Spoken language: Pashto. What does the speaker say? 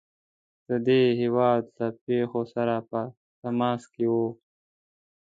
د دې هیواد له پیښو سره په تماس کې وو.